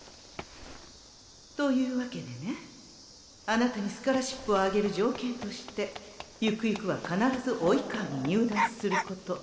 あなたにスカラシップをあげる条件としてゆくゆくは必ず「生川」に入団すること。